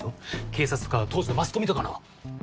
警察とか当時のマスコミとかの。